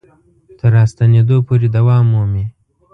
تر راستنېدو پورې دوام مومي.